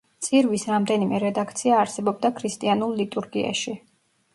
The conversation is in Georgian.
წირვის რამდენიმე რედაქცია არსებობდა ქრისტიანულ ლიტურგიაში.